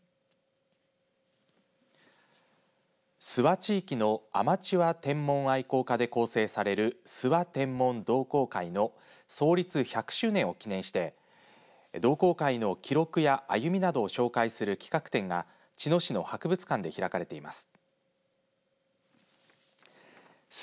諏訪地域のアマチュア天文愛好家で構成される諏訪天文同好会の創立１００周年を記念して同好会の記録やあゆみなどを紹介する企画展が茅野市の博物館で開かれています。